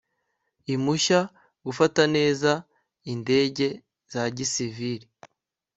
impushya gufata neza indege za gisiviri